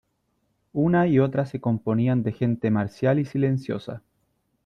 una y otra se componían de gente marcial y silenciosa :